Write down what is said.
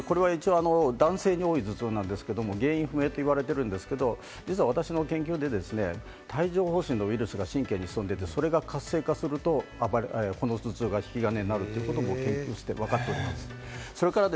男性に多い頭痛なんですけれども、原因不明と言われてるんですけれども、実は私の研究で帯状疱疹のウイルスが神経に潜んでいて、それが活性化するとこの頭痛が引き金になるということが研究でわかっております。